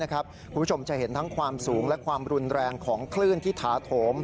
คุณผู้ชมจะเห็นทั้งความสูงและความรุนแรงของคลื่นที่ถาโถม